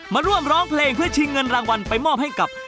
มาร่วมร้องเพลงเพื่อชิงเงินรางวัลไปมอบให้กับ